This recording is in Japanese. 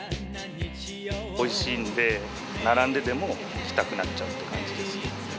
おいしいんで、並んででも来たくなっちゃうって感じですね。